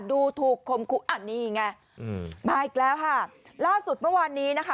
ดูถูกคมคู่อันนี้ไงอืมมาอีกแล้วค่ะล่าสุดเมื่อวานนี้นะคะ